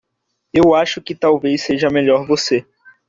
Eu acho que talvez seja melhor você.